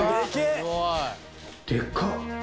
でかっ！